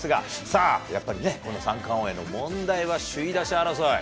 さあ、やっぱりね、この三冠王への問題は首位打者争い。